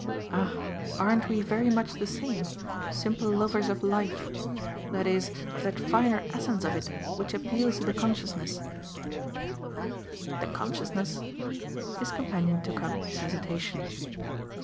"Ah aren't we very much the same simple lovers of life? That is of that finer essence of it which appeals to the consciousness " "The consciousness?" his companion took up his hesitation.